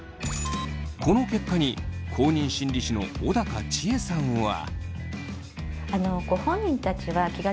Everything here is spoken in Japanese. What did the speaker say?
この結果に公認心理師の小高千枝さんは。